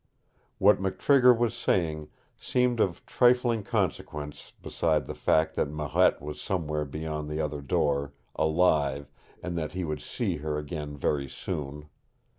What McTrigger was saying seemed of trifling consequence beside the fact that Marette was somewhere beyond the other door, alive, and that he would see her again very soon.